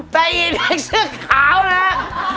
แต่อีนยังชื่อขาวนะฮะ